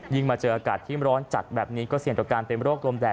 มาเจออากาศที่ร้อนจัดแบบนี้ก็เสี่ยงต่อการเป็นโรคลมแดด